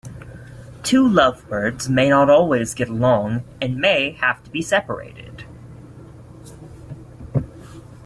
Two lovebirds may not always get along, and may have to be separated.